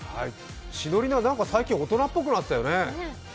しのりな、最近大人っぽくなったよね。